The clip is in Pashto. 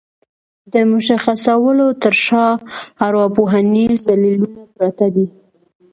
د مشخصولو تر شا ارواپوهنيز دليلونه پراته دي.